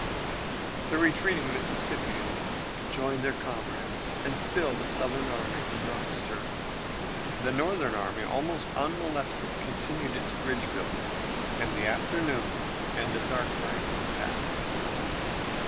The retreating Mississippians rejoined their comrades, and still the Southern army did not stir. The Northern army, almost unmolested, continued its bridge building, and the afternoon and a dark night passed.